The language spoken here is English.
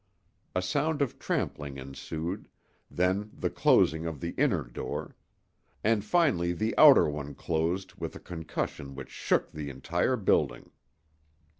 A sound of trampling ensued, then the closing of the inner door; and finally the outer one closed with a concussion which shook the entire building.